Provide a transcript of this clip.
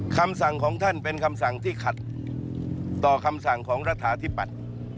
คำสั่งของท่านเป็นคำสั่งที่ขัดต่อคำสั่งของรัฐาธิปัตย์